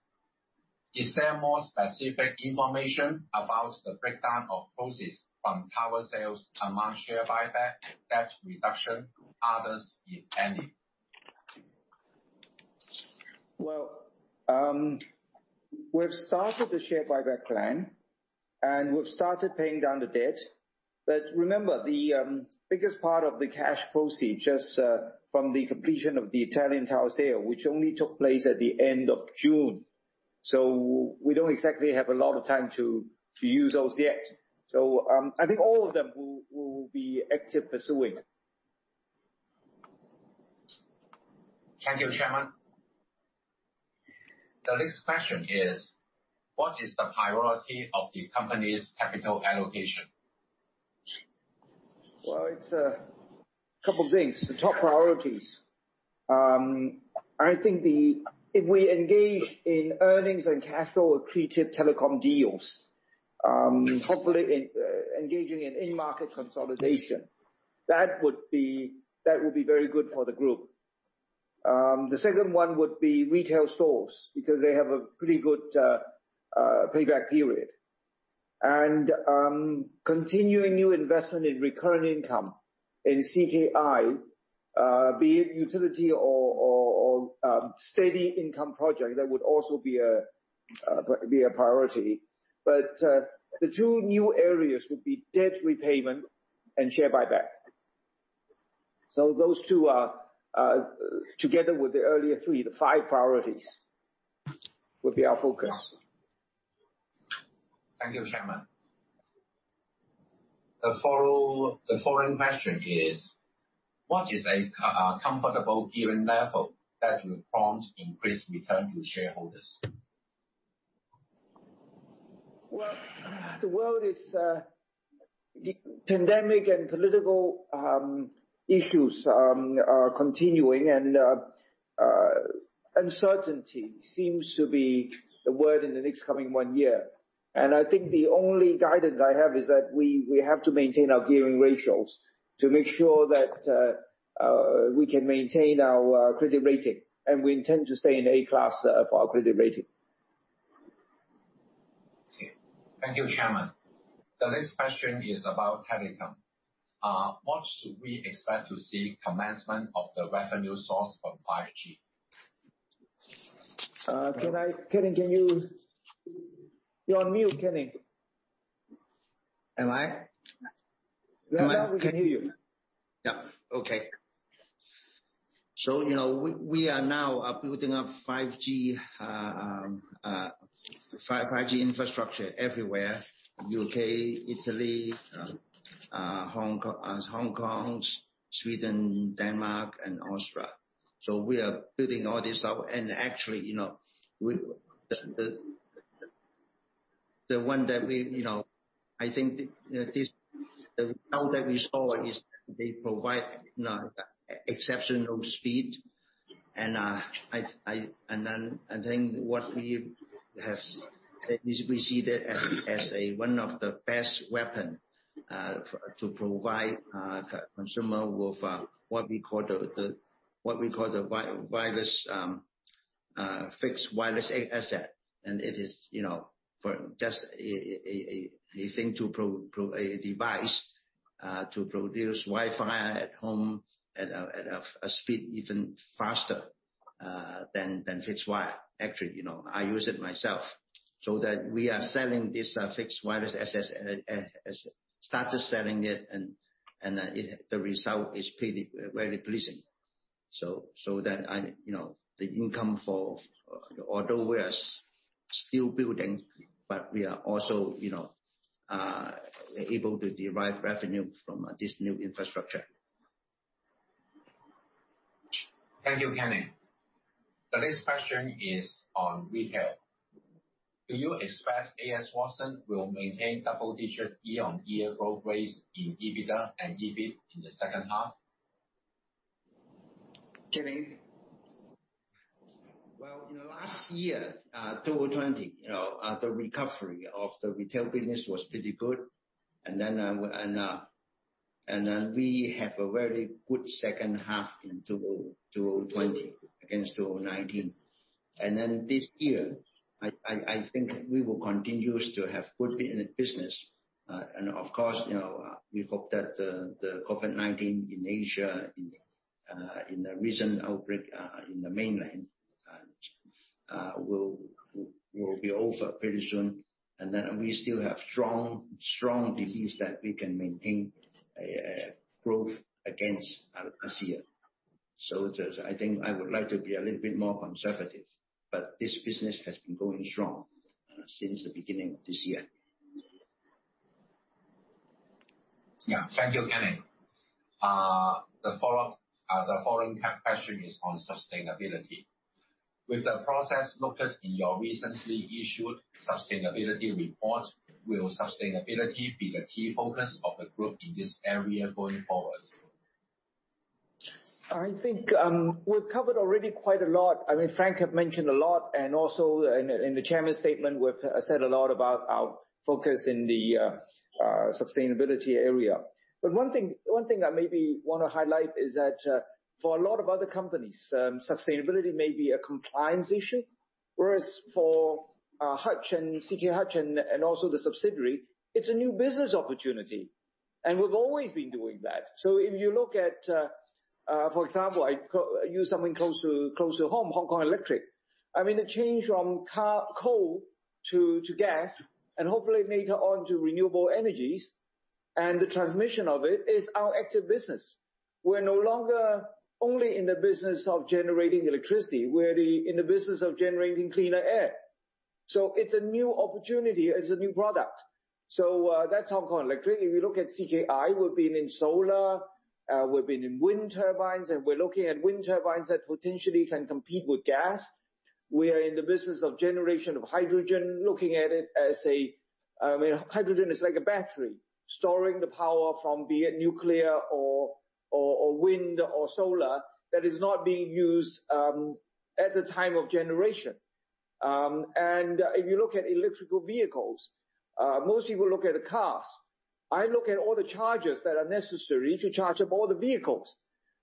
A: Is there more specific information about the breakdown of proceeds from tower sales among share buyback, debt reduction, others, if any?
E: We've started the share buyback plan, and we've started paying down the debt. Remember, the biggest part of the cash proceeds just from the completion of the Italian tower sale, which only took place at the end of June. We don't exactly have a lot of time to use those yet. I think all of them we'll be active pursuing.
A: Thank you, Chairman. The next question is: What is the priority of the company's capital allocation?
E: Well, it's a couple things. The top priorities, I think if we engage in earnings and cash flow accretive Telecom deals, hopefully engaging in in-market consolidation. That would be very good for the group. The second one would be retail stores, because they have a pretty good payback period. Continuing new investment in recurrent income in CKI, be it utility or steady income project, that would also be a priority. The two new areas would be debt repayment and share buyback. Those two together with the earlier three, the five priorities will be our focus.
A: Thank you, Chairman. The following question is, what is a comfortable given level that will prompt increased return to shareholders?
E: The world is pandemic and political issues are continuing and uncertainty seems to be the word in the next coming one year. I think the only guidance I have is that we have to maintain our gearing ratios to make sure that we can maintain our credit rating. We intend to stay in A class for our credit rating.
A: Okay. Thank you, Chairman. The next question is about Telecom. Much we expect to see commencement of the revenue source from 5G.
E: Canning, You're on mute, Canning.
B: Am I?
E: Yeah. We can hear you.
B: Yeah. Okay. We are now building up 5G infrastructure everywhere: U.K., Italy, Hong Kong, Sweden, Denmark, and Austria. We are building all this out and actually, the one that we saw is that they provide exceptional speed. Then I think what we have received as one of the best weapon, to provide consumer with what we call the fixed wireless access. It is just a device to produce Wi-Fi at home at a speed even faster than fixed wire. Actually, I use it myself. That we are selling this fixed wireless access, started selling it, and the result is very pleasing. The income for Although we are still building, but we are also able to derive revenue from this new infrastructure.
A: Thank you, Canning. The next question is on retail. Do you expect A.S. Watson will maintain double-digit year-on-year growth rates in EBITDA and EBIT in the second half?
E: Canning.
B: In last year, 2020, the recovery of the retail business was pretty good. We have a very good second half in 2020 against 2019. This year, I think we will continue to have good business. Of course, we hope that the COVID-19 in Asia, in the recent outbreak in the Mainland, will be over pretty soon. We still have strong belief that we can maintain growth against last year. I think I would like to be a little bit more conservative, but this business has been going strong since the beginning of this year.
A: Yeah. Thank you, Canning. The following question is on sustainability. With the progress noted in your recently issued sustainability report, will sustainability be the key focus of the group in this area going forward?
E: I think, we've covered already quite a lot. Frank have mentioned a lot, and also in the Chairman's statement, we've said a lot about our focus in the sustainability area. One thing I maybe want to highlight is that for a lot of other companies, sustainability may be a compliance issue, whereas for Hutch and CK Hutch and also the subsidiary, it's a new business opportunity. We've always been doing that. If you look at, for example, I use something close to home, Hong Kong Electric. The change from coal to gas and hopefully later on to renewable energies and the transmission of it is our active business. We're no longer only in the business of generating electricity. We're in the business of generating cleaner air. It's a new opportunity. It's a new product. That's Hong Kong Electric. If you look at CKI, we've been in solar, we've been in wind turbines, and we're looking at wind turbines that potentially can compete with gas. We are in the business of generation of hydrogen, looking at it as a hydrogen is like a battery, storing the power from be it nuclear or wind or solar that is not being used at the time of generation. If you look at electrical vehicles, most people look at the cars. I look at all the chargers that are necessary to charge up all the vehicles.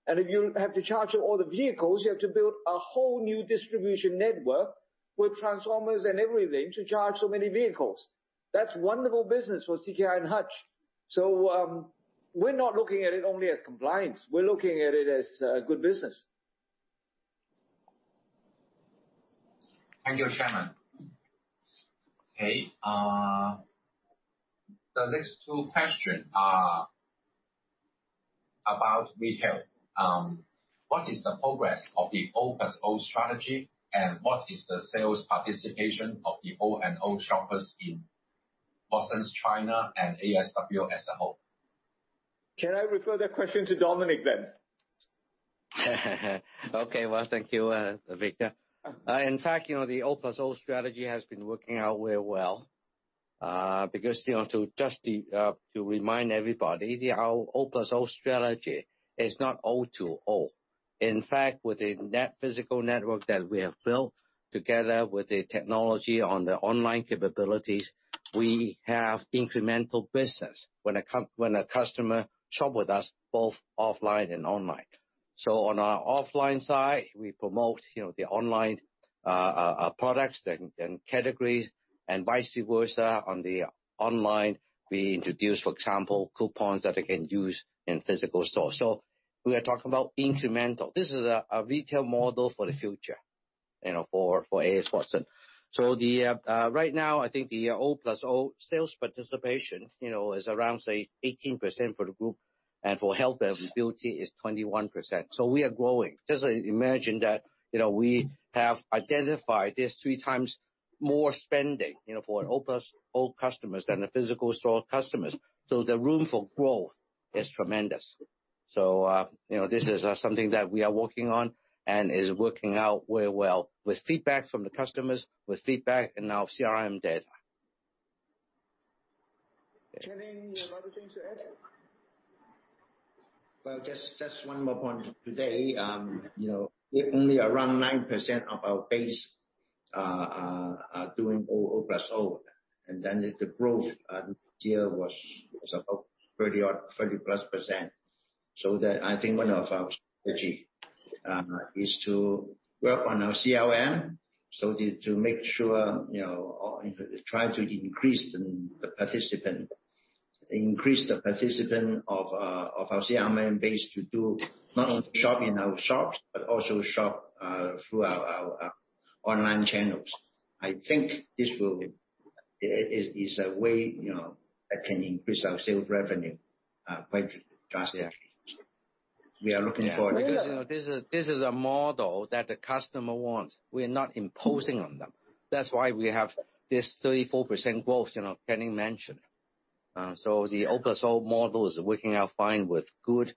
E: If you have to charge up all the vehicles, you have to build a whole new distribution network with transformers and everything to charge so many vehicles. That's wonderful business for CK and Hutch. We're not looking at it only as compliance. We're looking at it as good business.
A: Thank you, Chairman. Okay. The next two questions are about retail, what is the progress of the O+O strategy, and what is the sales participation of the O and O shoppers in Watsons China and ASW as a whole?
E: Can I refer that question to Dominic then?
D: Okay. Well, thank you, Victor. The O+O strategy has been working out very well. Just to remind everybody, our O+O strategy is not O to O. With the physical network that we have built together with the technology on the online capabilities, we have incremental business when a customer shop with us both offline and online. On our offline side, we promote the online products and categories and vice versa. On the online, we introduce, for example, coupons that they can use in physical stores. We are talking about incremental. This is a retail model for the future for A.S. Watson. Right now, I think the O+O sales participation is around, say, 18% for the group, and for health and beauty is 21%. We are growing. Just imagine that we have identified there's three times more spending for O+O customers than the physical store customers. The room for growth is tremendous. This is something that we are working on and is working out very well with feedback from the customers, with feedback in our CRM data.
E: Canning, you have other things to add?
B: Just one more point. Today, only around 9% of our base are doing O+O. The growth here was about 30%+. I think one of our strategy is to work on our CRM. To make sure, try to increase the participation of our CRM base to do not only shop in our shops, but also shop through our online channels. I think this is a way that can increase our sales revenue quite drastically.
D: Yeah. Because this is a model that the customer wants. We are not imposing on them. That's why we have this 34% growth Canning mentioned. The O+O model is working out fine with good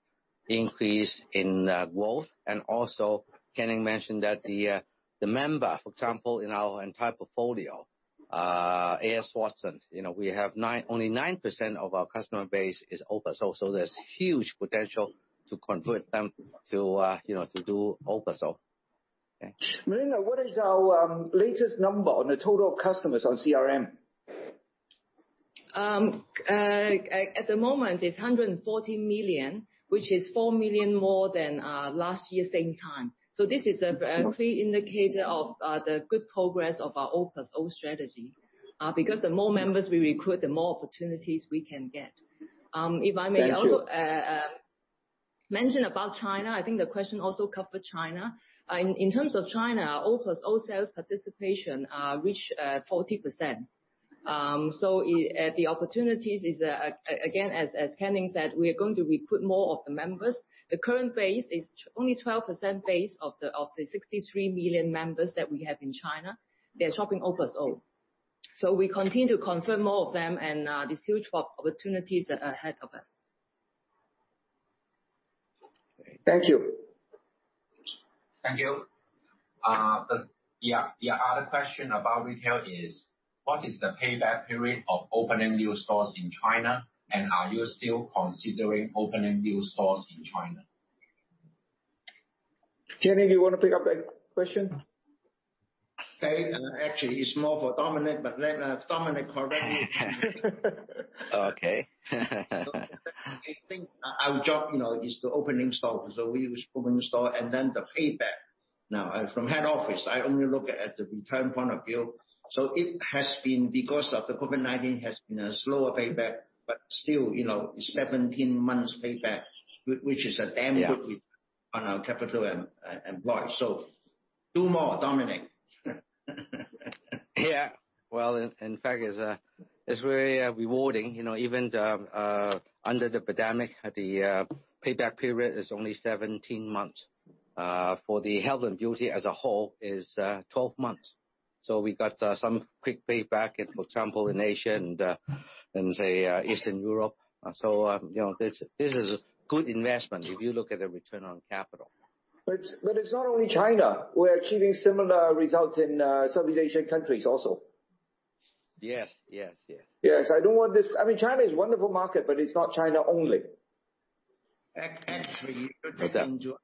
D: increase in growth. Also, Canning mentioned that the member, for example, in our entire portfolio, A.S. Watson, we have only 9% of our customer base is O+O. There's huge potential to convert them to do O+O. Okay.
E: Malina, what is our latest number on the total customers on CRM?
F: At the moment, it's 140 million, which is 4 million more than last year same time. This is a clear indicator of the good progress of our O+O strategy. The more members we recruit, the more opportunities we can get.
E: Thank you.
F: If I may also mention about China, I think the question also covered China. In terms of China, O+O sales participation reached 40%. The opportunities is, again, as Canning said, we are going to recruit more of the members. The current base is only 12% base of the 63 million members that we have in China. They're shopping O+O. We continue to convert more of them, and there's huge opportunities ahead of us.
E: Thank you.
A: Thank you. The other question about retail is, what is the payback period of opening new stores in China, and are you still considering opening new stores in China?
E: Canning, do you want to pick up that question?
B: Actually, it's more for Dominic, but let Dominic correct me.
D: Okay.
B: I think our job is the opening store. We open the store and then the payback. From head office, I only look at the return point of view. It has been because of the COVID-19, has been a slower payback, but still, 17 months payback, which is a damn good return.
D: Yeah
B: on our capital employed. do more, Dominic.
D: Yeah. Well, in fact, it's very rewarding. Even under the pandemic, the payback period is only 17 months. For the health and beauty as a whole is 12 months. We got some quick payback in, for example, in Asia and say, Eastern Europe. This is good investment if you look at the return on capital.
E: It's not only China. We're achieving similar results in Southeast Asian countries also.
D: Yes.
E: Yes. I mean, China is a wonderful market, but it is not China only.
B: Actually, you go into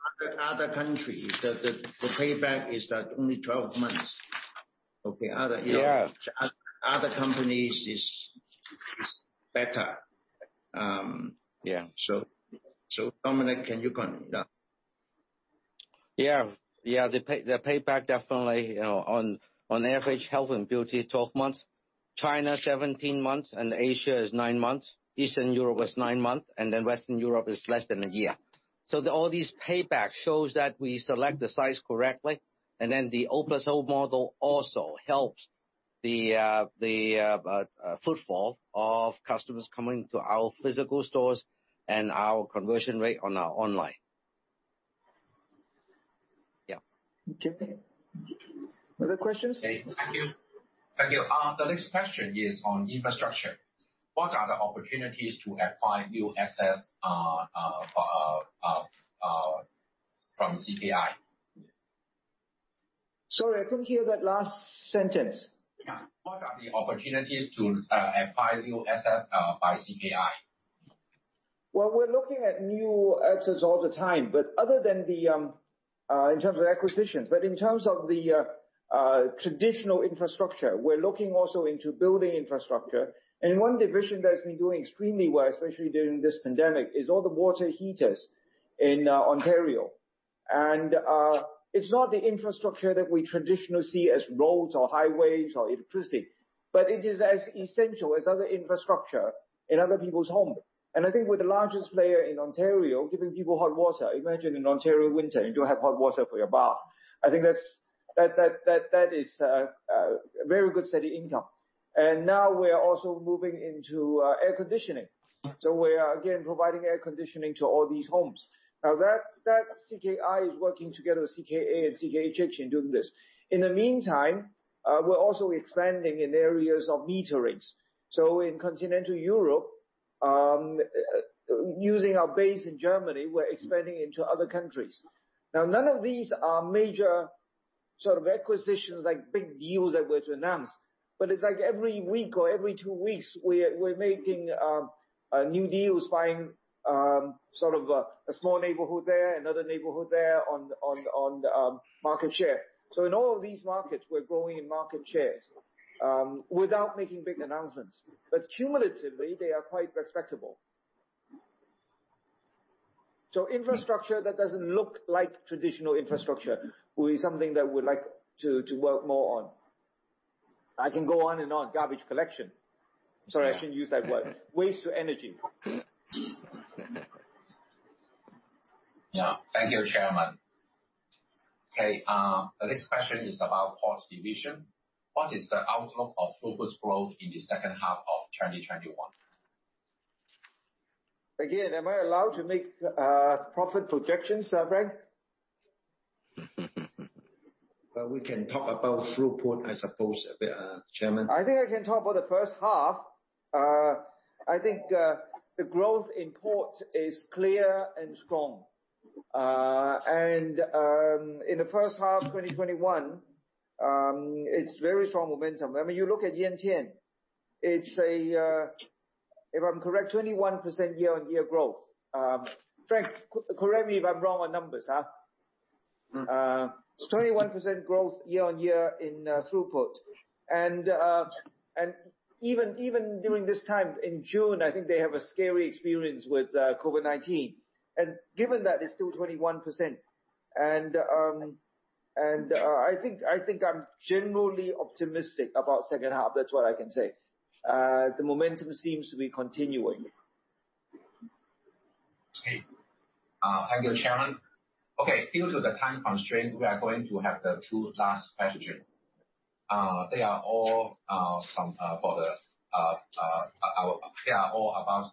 B: other countries, the payback is that only 12 months. Okay.
D: Yeah
B: other companies is better.
D: Yeah.
B: Dominic, can you comment on that?
D: Yeah. The payback definitely on average health and beauty is 12 months. China, 17 months, and Asia is nine months. Eastern Europe was nine months, and then Western Europe is less than a year. All these payback shows that we select the size correctly, and then the O+O model also helps the footfall of customers coming to our physical stores and our conversion rate on our online. Yeah.
E: Okay. Other questions?
A: Thank you. The next question is on infrastructure. What are the opportunities to acquire new assets from CKI?
E: Sorry, I couldn't hear that last sentence.
A: Yeah. What are the opportunities to acquire new assets by CKI?
E: Well, we're looking at new assets all the time. Other than in terms of acquisitions, but in terms of the traditional infrastructure, we're looking also into building infrastructure. One division that's been doing extremely well, especially during this pandemic, is all the water heaters in Ontario. It's not the infrastructure that we traditionally see as roads or highways or electricity. It is as essential as other infrastructure in other people's homes. I think we're the largest player in Ontario giving people hot water. Imagine in Ontario winter, you don't have hot water for your bath. I think that is a very good steady income. Now we are also moving into air conditioning. We are, again, providing air conditioning to all these homes. Now that CKI is working together with CKA and CK Hutchison doing this. In the meantime, we're also expanding in areas of meterings. In continental Europe, using our base in Germany, we're expanding into other countries. None of these are major sort of acquisitions, like big deals that we're to announce. It's like every week or every two weeks, we're making new deals, buying sort of a small neighborhood there, another neighborhood there on market share. In all of these markets, we're growing in market shares without making big announcements. Cumulatively, they are quite respectable. Infrastructure that doesn't look like traditional infrastructure will be something that we'd like to work more on. I can go on and on. Garbage collection. Sorry, I shouldn't use that word. Waste to energy.
A: Yeah. Thank you, Chairman. Okay. The next question is about ports division. What is the outlook of throughput growth in the second half of 2021?
E: Again, am I allowed to make profit projections, Frank?
A: Well, we can talk about throughput, I suppose a bit, Chairman.
E: I think I can talk about the first half. I think the growth in port is clear and strong. In the first half 2021, it's very strong momentum. You look at Yantian. It's, if I'm correct, 21% year-on-year growth. Frank, correct me if I'm wrong on numbers. It's 21% growth year-over-year in throughput. Even during this time in June, I think they have a scary experience with COVID-19. Given that, it's still 21%. I think I'm generally optimistic about second half. That's what I can say. The momentum seems to be continuing.
A: Okay. Thank you, Chairman. Okay. Due to the time constraint, we are going to have the two last questions. They are all about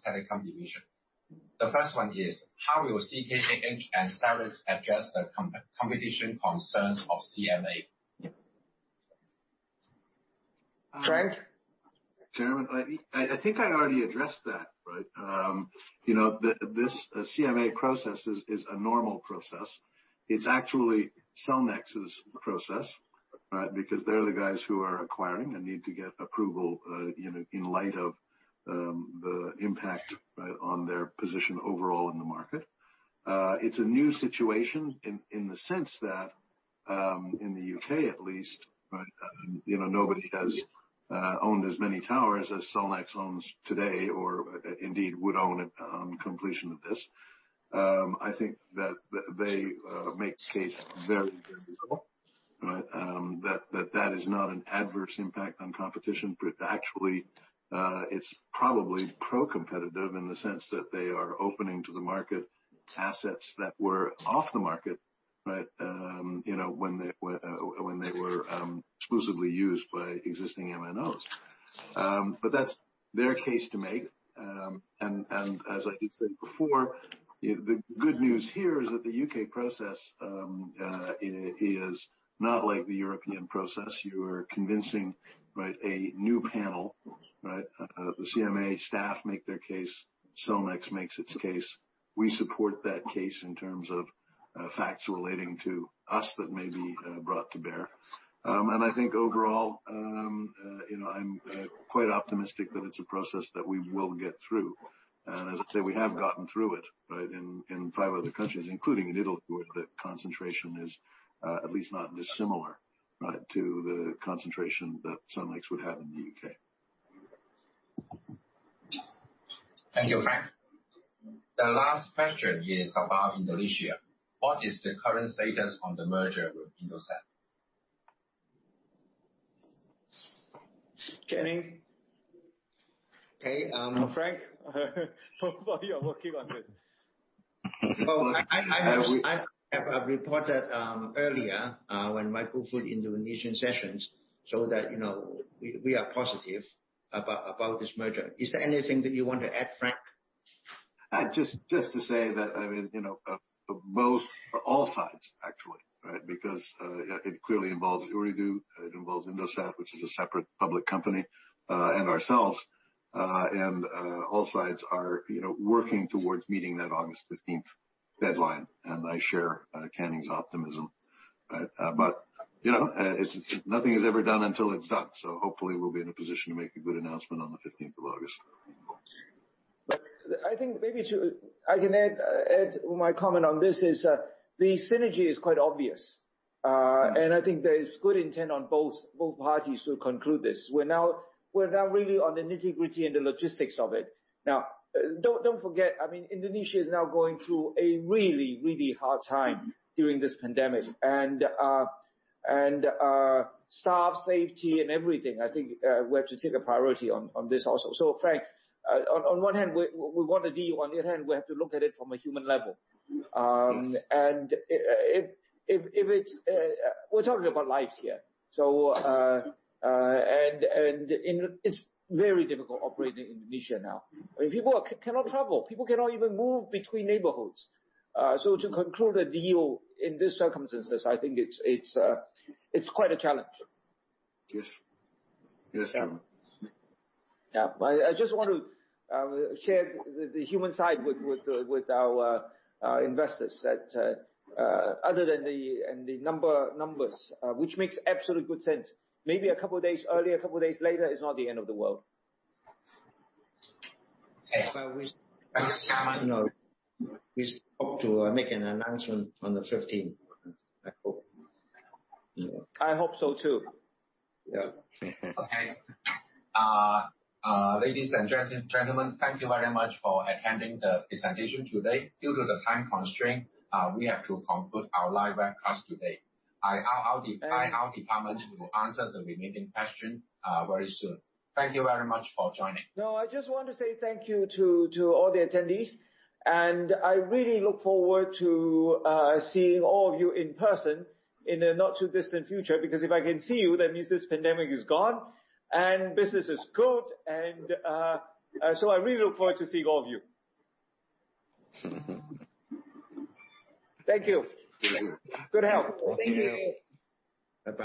A: Telecom division. The first one is, how will CKHH and Cellnex address the competition concerns of CMA?
E: Frank?
C: Chairman, I think I already addressed that. This CMA process is a normal process. It's actually Cellnex's process. They're the guys who are acquiring and need to get approval in light of the impact on their position overall in the market. It's a new situation in the sense that in the U.K. at least, nobody has owned as many towers as Cellnex owns today or indeed would own on completion of this. I think that they make the case very, very well. That that is not an adverse impact on competition, but actually it's probably pro-competitive in the sense that they are opening to the market assets that were off the market when they were exclusively used by existing MNOs. That's their case to make. As I said before, the good news here is that the U.K. process is not like the European process. You are convincing a new panel. The CMA staff make their case. Cellnex makes its case. We support that case in terms of facts relating to us that may be brought to bear. I think overall, I'm quite optimistic that it's a process that we will get through. As I say, we have gotten through it in five other countries, including in Italy, where the concentration is at least not dissimilar to the concentration that Cellnex would have in the U.K.
A: Thank you, Frank. The last question is about Indonesia. What is the current status on the merger with Indosat?
E: Canning?
B: Okay.
E: Frank? You are working on this.
B: I have reported earlier when Michael put Indosat so that we are positive about this merger. Is there anything that you want to add, Frank?
C: Just to say that both, all sides actually, because it clearly involves Ooredoo, it involves Indosat, which is a separate public company, and ourselves. All sides are working towards meeting that August 15th deadline, and I share Canning's optimism. Nothing is ever done until it's done. Hopefully we'll be in a position to make a good announcement on the 15th of August.
E: I think maybe I can add my comment on this is, the synergy is quite obvious. I think there is good intent on both parties to conclude this. We're now really on the nitty-gritty and the logistics of it. Don't forget, Indonesia is now going through a really hard time during this pandemic. Staff safety and everything, I think we have to take a priority on this also. Frank, on one hand, we want a deal, on the other hand, we have to look at it from a human level.
B: Yes.
E: We're talking about lives here. It's very difficult operating in Indonesia now. People cannot travel. People cannot even move between neighborhoods. To conclude a deal in these circumstances, I think it's quite a challenge.
C: Yes.
B: Yes.
E: I just want to share the human side with our investors that other than the numbers, which makes absolute good sense. Maybe a couple of days earlier, a couple of days later, is not the end of the world.
B: We hope to make an announcement on the 15th. I hope.
E: I hope so too.
B: Yeah.
E: Okay.
A: Ladies and gentlemen, thank you very much for attending the presentation today. Due to the time constraint, we have to conclude our live broadcast today. I and our department will answer the remaining question very soon. Thank you very much for joining.
E: No, I just want to say thank you to all the attendees, and I really look forward to seeing all of you in person in the not too distant future, because if I can see you, that means this pandemic is gone and business is good. I really look forward to seeing all of you. Thank you. Good health.
B: Thank you. Bye-bye.